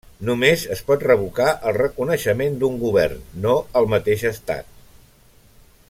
Només es pot revocar el reconeixement d'un govern, no el mateix estat.